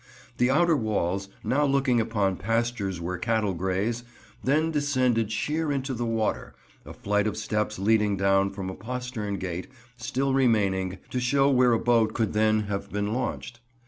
The outer walls, now looking upon pastures where cattle graze, then descended sheer into the water; a flight of steps leading down from a postern gate still remaining to show where a boat could then have been launched.